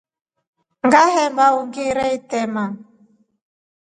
Ngehemba ungere itrema.